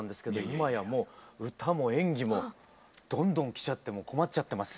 いまやもう歌も演技もどんどん来ちゃってもう困っちゃってます。